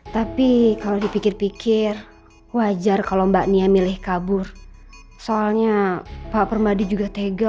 tapi kalau dipikir pikir wajar kalau mbak nia milih kabur soalnya pak permadi juga tegel